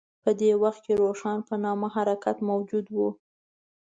په دې وخت کې روښان په نامه حرکت موجود و.